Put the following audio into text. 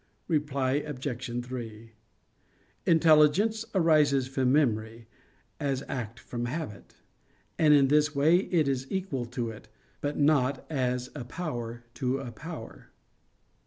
Reply Obj. 3: Intelligence arises from memory, as act from habit; and in this way it is equal to it, but not as a power to a power.